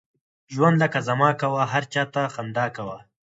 ژوند لکه زما کوه ، هر چاته خنده کوه!